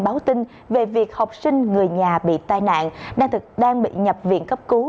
báo tin về việc học sinh người nhà bị tai nạn đang bị nhập viện cấp cứu